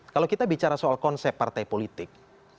kalau kita bicara soal konsep partai politik